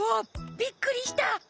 びっくりした！